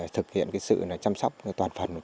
thực hiện sự chăm sóc toàn phần